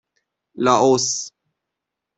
لائوس